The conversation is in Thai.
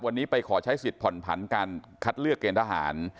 วันนี้ไปขอใช้สิทธิผ่อนผันการคัดเลือกเกณฑ์ทหาร